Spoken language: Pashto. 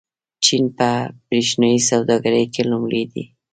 چین په برېښنايي سوداګرۍ کې لومړی دی.